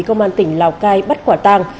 công an tỉnh lào cai bắt quả tàng